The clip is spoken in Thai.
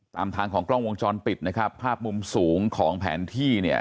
ตามทางของกล้องวงจรปิดนะครับภาพมุมสูงของแผนที่เนี่ย